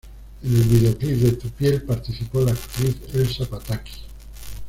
En el videoclip de "Tu piel" participó la actriz Elsa Pataky.